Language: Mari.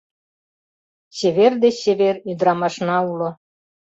Чевер деч чевер ӱдырамашна уло